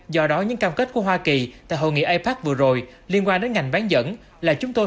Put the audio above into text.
do đó những cam kết của hoa kỳ tại hội nghị apac vừa rồi liên quan đến ngành bán dẫn là chúng tôi